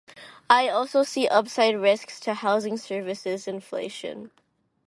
I also see upside risks to housing services inflation.